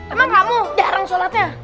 emang kamu jarang sholatnya